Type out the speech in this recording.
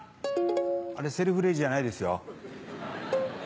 あれセルフレジじゃないですよ。